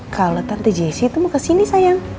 kalau tante jc itu mau kesini sayang